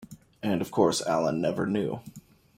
And of course Alan never knew.